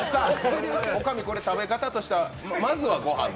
おかみ、食べ方としてはまずはご飯で？